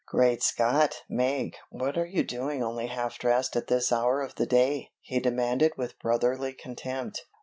"Great Scott, Meg, what are you doing only half dressed at this hour of the day?" he demanded with brotherly contempt.